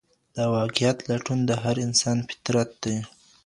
د واقعیت لټون د هر انسان فطرت دی.